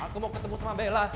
aku mau ketemu sama bella